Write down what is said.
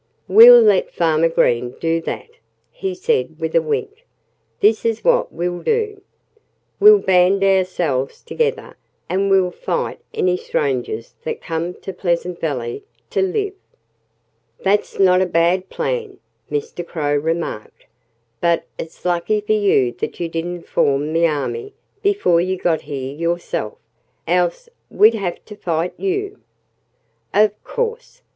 "We'll let Farmer Green do that," he said with a wink. "This is what we'll do: we'll band ourselves together and we'll fight any strangers that come to Pleasant Valley to live." "That's not a bad plan," Mr. Crow remarked. "But it's lucky for you that you didn't form the army before you got here yourself else we'd have had to fight you." "Of course!"